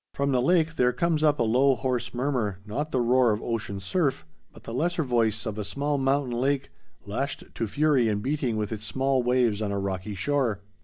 From the lake there comes up a low, hoarse murmur, not the roar of ocean surf, but the lesser voice of a small mountain lake lashed to fury and beating with its small waves on a rocky shore.